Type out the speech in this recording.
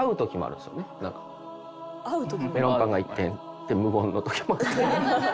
「メロンパンが１点」で無言の時も。